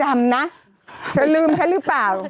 ไม่ลืมให้รึเปล่า